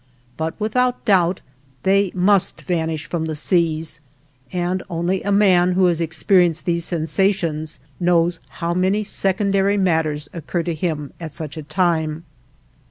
But without doubt they must vanish from the seas, and only a man, who has experienced these sensations, knows how many secondary matters occur to him at such a time.